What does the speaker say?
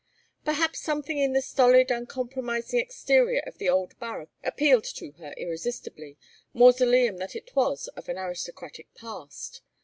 Perhaps something in the stolid uncompromising exterior of the old barrack appealed to her irresistibly, mausoleum that it was of an aristocratic past.